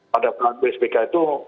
pada pelabuhan wsbk itu